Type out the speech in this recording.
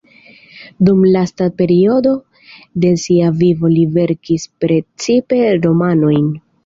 Dum lasta periodo de sia vivo li verkis precipe romanojn.